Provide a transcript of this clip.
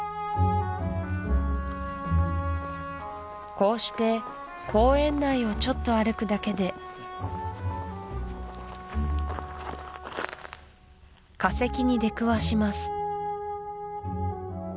こうして公園内をちょっと歩くだけで化石に出くわします